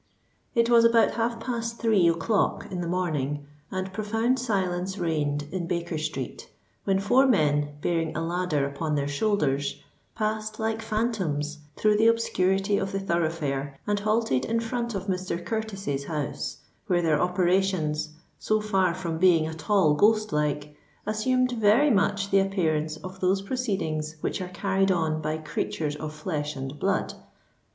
It was about half past three o'clock in the morning, and profound silence reigned in Baker Street, when four men, bearing a ladder upon their shoulders, passed like phantoms through the obscurity of the thoroughfare, and halted in front of Mr. Curtis's house; where their operations, so far from being at all ghost like, assumed very much the appearance of those proceedings which are carried on by creatures of flesh and blood.